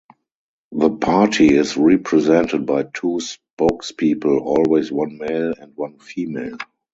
The party is represented by two spokespeople, always one male and one female.